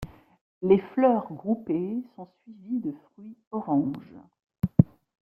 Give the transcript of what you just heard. Les fleurs groupées sont suivies de fruits orange.